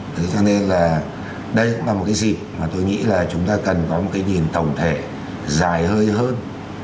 thế cho nên là đây cũng là một cái dịp mà tôi nghĩ là chúng ta cần có một cái nhìn tổng thể dài hơi hơn